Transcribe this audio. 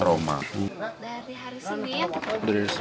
dari hari senin dari pas kejadian